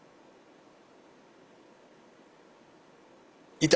いた！